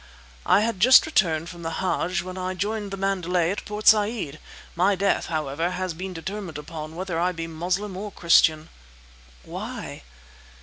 "I had just returned from the hadj when I joined the Mandalay at Port Said! My death, however, has been determined upon, whether I be Moslem or Christian!" "Why?"